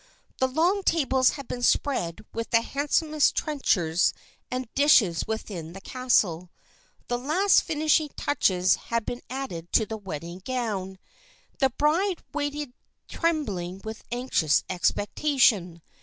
The long tables had been spread with the handsomest trenchers and dishes within the castle. The last finishing touches had been added to the wedding gown, the bride waited trembling with anxious expectation.